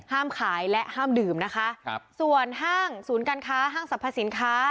ขายและห้ามดื่มนะคะครับส่วนห้างศูนย์การค้าห้างสรรพสินค้า